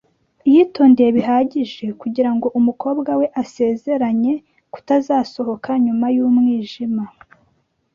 Yitondeye bihagije kugirango umukobwa we asezeranye kutazasohoka nyuma yumwijima .